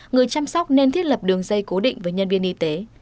người chăm sóc nên thiết lập đường dây cố định với nhân viên y tế